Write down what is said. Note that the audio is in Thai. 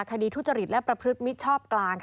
ทุจริตและประพฤติมิชชอบกลาง